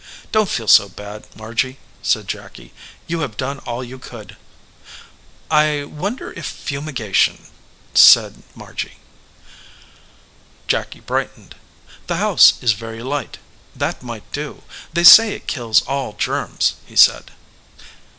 "Don t feel so bad, Margy," said Jacky. "You have done all you could." "I wonder if fumigation " said Margy. Jacky brightened. "The house is very tight. That might do. They say it kills all germs," he said.